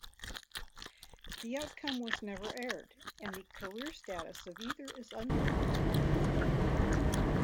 The outcome was never aired, and the career status of either is unknown.